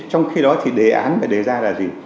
trong khi đó thì đề án phải đề ra là gì